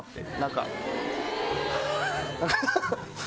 ハハハハ！